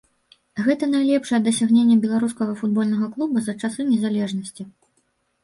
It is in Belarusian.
Гэта найлепшае дасягненне беларускага футбольнага клуба за часы незалежнасці.